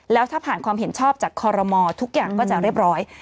แล้วถ้าผ่านความเห็นชอบจากคอรมอทุกอย่างก็จะเรียบร้อย